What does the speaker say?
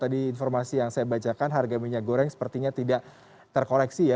tadi informasi yang saya bacakan harga minyak goreng sepertinya tidak terkoreksi ya